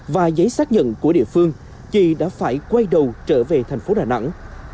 và giấy xác nhận của địa phương chị đã phải quay đầu trở về thành phố đà nẵng